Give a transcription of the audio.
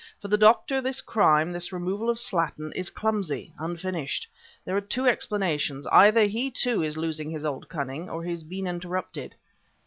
For the Doctor, this crime, this removal of Slattin, is clumsy unfinished. There are two explanations. Either he, too, is losing his old cunning or he has been interrupted!"